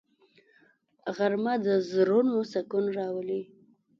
غرمه د زړونو سکون راولي